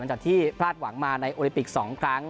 หลังจากที่พลาดหวังมาในโอลิปิก๒ครั้ง